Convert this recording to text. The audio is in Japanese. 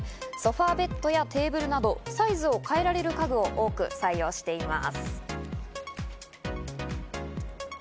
ソファベッドやテーブルなどサイズを変えられる家具を多く採用しています。